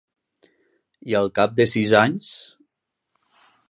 I al cap de sis anys?